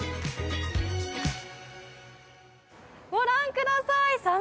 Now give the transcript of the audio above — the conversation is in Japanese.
ご覧ください！